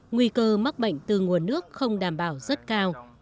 nguy cơ mắc bệnh từ nguồn nước không đảm bảo rất cao